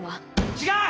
・違う！